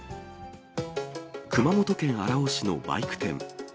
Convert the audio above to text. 熊本県荒尾市のバイク店。